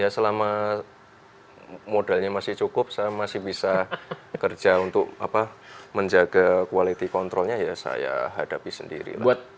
selama modalnya masih cukup saya masih bisa kerja untuk menjaga quality controlnya ya saya hadapi sendiri